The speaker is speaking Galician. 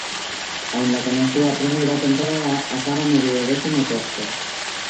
Aínda que na súa primeira temporada acaba no duodécimo posto.